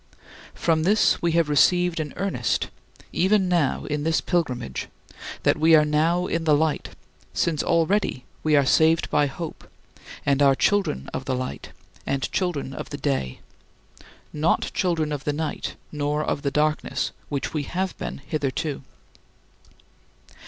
From this we have received an earnest, even now in this pilgrimage, that we are now in the light, since already we are saved by hope and are children of the light and children of the day not children of the night, nor of the darkness, which we have been hitherto.